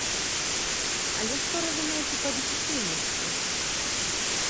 Але што разумеецца пад эфектыўнасцю?